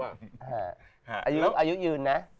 อายุยืนนะ